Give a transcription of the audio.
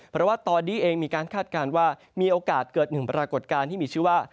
เพราะว่าตอนนี้เองมีการคาดการณ์ว่ามีโอกาสเกิดหนึ่งปรากฏการณ์ที่มีชื่อว่า